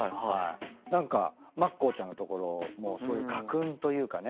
何かまっこーちゃんの所もそういう家訓というかね。